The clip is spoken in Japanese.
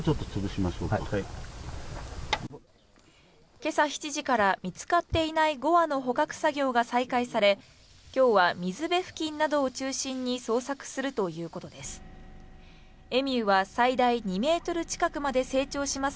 今朝７時から見つかっていない５羽の捕獲作業が再開され、今日は水辺付近などを中心に捜索するということです。